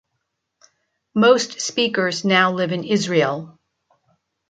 Most speakers now live in Israel.